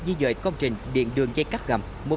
di dợi công trình điện đường dây cắp gầm